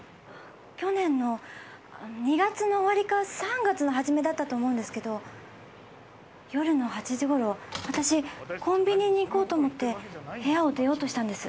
去年の２月の終わりか３月の初めだったと思うんですけど夜の８時ごろ私コンビニに行こうと思って部屋を出ようとしたんです。